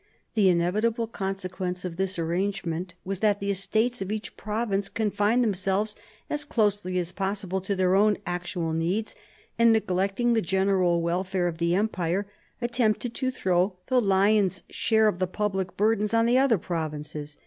The inevitable consequence of this arrangement was that the Estates of each province confined themselves as closely as possible to their own actual needs, and, neglecting the general welfare of the Empire, attempted to throw the lion's share of the public burdens on the other provinces.